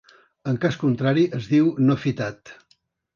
En cas contrari, es diu no fitat.